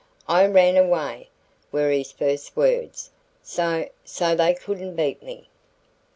"I ran away," were his first words; "so so they couldn't beat me."